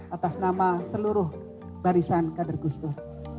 atas nama seluruh barisan kader gusdur